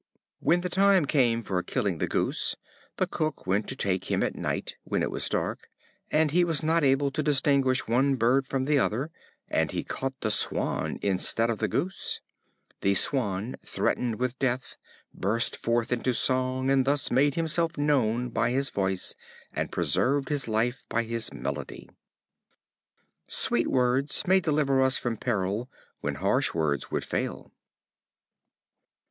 When the time came for killing the Goose, the cook went to take him at night, when it was dark, and he was not able to distinguish one bird from the other, and he caught the Swan instead of the Goose. The Swan, threatened with death, burst forth into song, and thus made himself known by his voice, and preserved his life by his melody. Sweet words may deliver us from peril, when harsh words would fail.